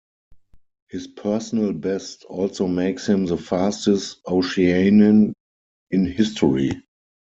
His personal best also makes him the fastest Oceanian in history.